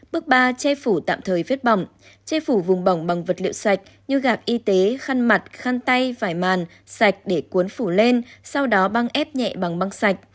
bước ba che phủ tạm thời vết bỏng che phủ vùng bỏng bằng vật liệu sạch như gạt y tế khăn mặt khăn tay vải màn sạch để cuốn phủ lên sau đó băng ép nhẹ bằng băng sạch